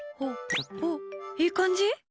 お、お、いい感じ？